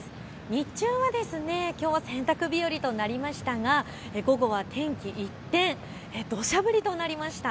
日中はきょうは洗濯日和となりましたが午後は天気一転、どしゃ降りとなりました。